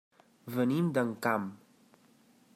Venim d'Encamp.